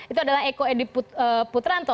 itu adalah eko edi putranto